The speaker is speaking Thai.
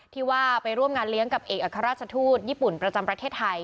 ที่ว่าไปร่วมงานเลี้ยงกับเอกอัครราชทูตญี่ปุ่นประจำประเทศไทย